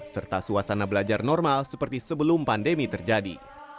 serta suasana belajar normal seperti sebelum pandemi terjadi